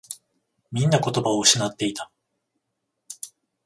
みんな言葉を失っていた。